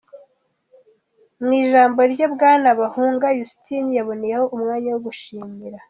Mw’ijambo rye, bwana Bahunga Yusitini yaboneyeho umwanya wo gushimira